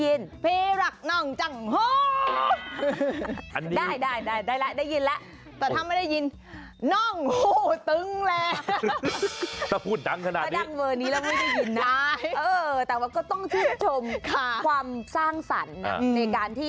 เขาบอกว่าเจ้าบ่าวบอกรักเจ้าสาวดังหน่อย